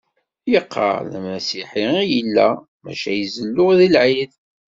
Yeqqar d amasiḥi i yella maca izellu deg lɛid